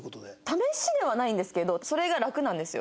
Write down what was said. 試しではないんですけどそれがラクなんですよ。